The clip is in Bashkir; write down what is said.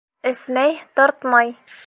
Эсмәй, тартмай.